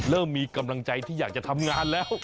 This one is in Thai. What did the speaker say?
เริ่มมีกำลังใจที่อยากจะทำงานแล้ว